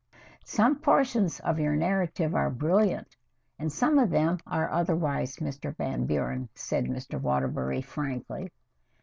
"Some portions of your narrative are brilliant, and some of them are otherwise, Mr. Van Buren," said Mr. Waterbury frankly.